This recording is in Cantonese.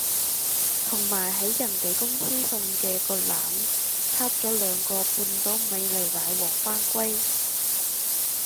同埋喺人哋公司送嘅嗰籃撻咗兩個半島迷你奶黃返歸